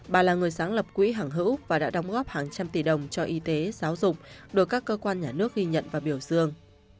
bà là người sáng lập quỹ hẳng hữu và đã đóng góp hàng trăm tỷ đồng cho y tế giáo dục được các cơ quan nhà nước ghi nhận và biểu dương